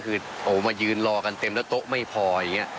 คือมายืนรอกันเต็มแล้วโต๊ะไม่พออย่างนี้